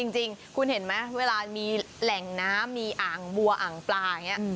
จริงคุณเห็นไหมเวลามีแหล่งน้ำมีอ่างบัวอ่างปลาอย่างนี้